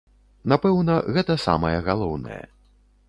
Напэўна, гэта самае галоўнае.